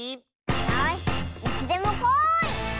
よしいつでもこい！